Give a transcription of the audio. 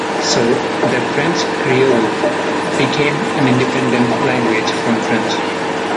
So, their French creole became an independent language from French.